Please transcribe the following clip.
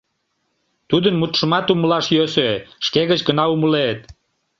Тудын мутшымат умылаш йӧсӧ, шке гыч гына умылет.